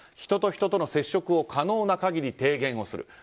人と人との接触を可能な限り低減する。